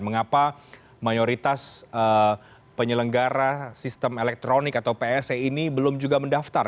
mengapa mayoritas penyelenggara sistem elektronik atau pse ini belum juga mendaftar